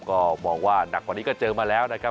ก็มองว่าหนักกว่านี้ก็เจอมาแล้วนะครับ